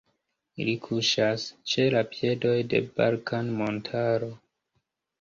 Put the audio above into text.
Ili kuŝas ĉe la piedoj de Balkan-montaro.